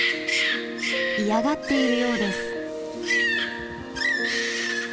嫌がっているようです。